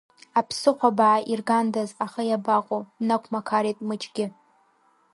Аԥсыхәа баа иргандаз, аха иабаҟоу, днақәмақарит мыҷгьы.